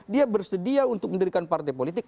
dia bersedia untuk mendirikan partai politik